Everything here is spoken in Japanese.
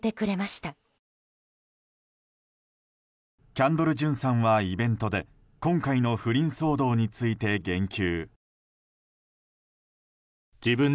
キャンドル・ジュンさんはイベントで今回の不倫騒動について言及。